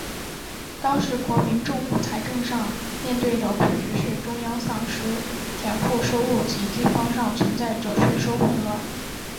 当时国民政府财政上面对的困局是中央丧失田赋收入及地方上存在着税收混乱。